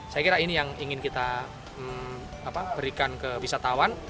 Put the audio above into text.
saya kira ini yang ingin kita berikan ke wisatawan